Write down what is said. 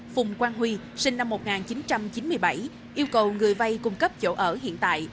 phùng quang huy sinh năm một nghìn chín trăm chín mươi bảy yêu cầu người vay cung cấp chỗ ở hiện tại